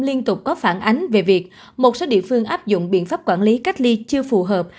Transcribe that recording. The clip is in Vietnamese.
liên tục có phản ánh về việc một số địa phương áp dụng biện pháp quản lý cách ly chưa phù hợp